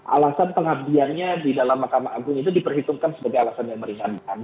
alasan pengabdiannya di dalam mahkamah agung itu diperhitungkan sebagai alasan yang meringankan